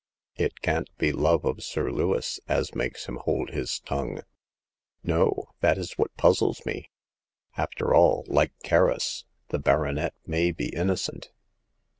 It can't be love of Sir Lewis as makes him hold his tongue." No ; that is what puzzles me. After all, like Kerris, the baronet may be innocent."